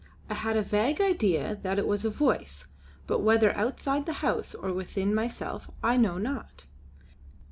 I have a vague idea that it was a voice, but whether outside the house or within myself I know not.